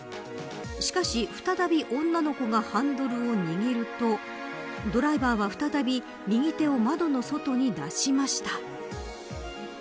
しかし再び女の子がハンドルを握るとドライバーが再び右手を窓の外に出しました。